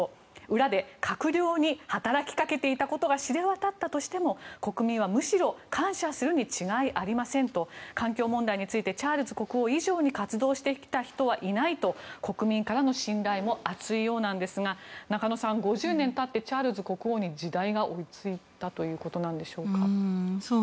裏で閣僚に働きかけていたことが知れ渡ったとしても国民はむしろ感謝するに違いありませんと環境問題についてチャールズ国王以上に活動してきた人はいないと国民からの信頼も厚いようですが中野さん、５０年経ってチャールズ国王に時代が追いついたということなんでしょうか。